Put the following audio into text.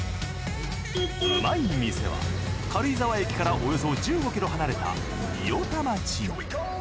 うまい店は軽井沢駅からおよそ１５キロ離れた御代田町に。